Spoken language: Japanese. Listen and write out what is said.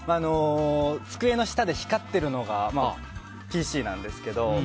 机の下で光ってるのがＰＣなんですけど。